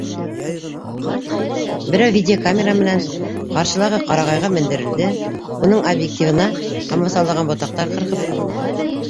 Берәү видеокамера менән ҡаршылағы ҡарағайға мендерелде, уның объективына ҡамасаулаған ботаҡтар ҡырҡып алынды.